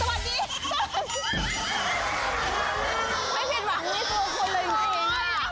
โบราชแทบ